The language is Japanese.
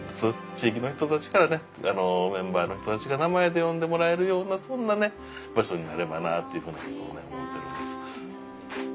地域の人たちからねメンバーの人たちが名前で呼んでもらえるようなそんなね場所になればなっていうふうに思ってるんです。